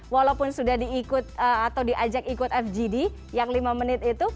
walaupun sudah diikut atau diajak ikut fgd yang lima menit itu